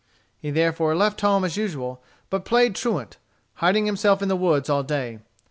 He therefore left home as usual, but played truant, hiding himself in the woods all day.